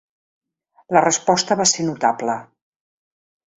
La resposta va ser notable.